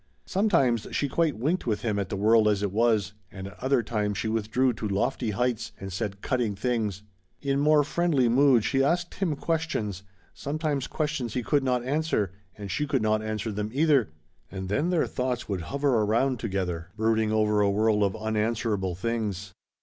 Sometimes she quite winked with him at the world as it was, and at other times she withdrew to lofty heights and said cutting things. In more friendly mood she asked him questions, sometimes questions he could not answer, and she could not answer them either, and then their thoughts would hover around together, brooding over a world of unanswerable things.